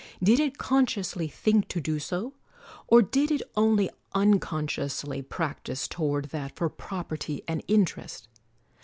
Did it con sciously think to do so; or did it only uncon sciously practise toward that for property and interest?